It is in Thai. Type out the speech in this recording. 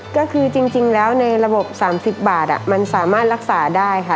ก็คือจริงแล้วในระบบ๓๐บาทมันสามารถรักษาได้ค่ะ